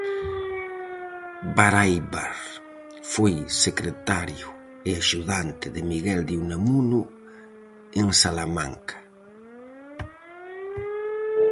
Baráibar foi secretario e axudante de Miguel de Unamuno en Salamanca.